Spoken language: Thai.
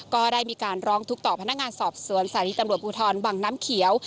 ก็ได้มีการร้องทุกข์ต่อพนักงานสอบสวนสถานีตำรวจภูทรวังน้ำเขียว